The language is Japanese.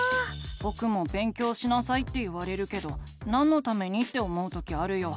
ぼくも「勉強しなさい」って言われるけどなんのためにって思う時あるよ。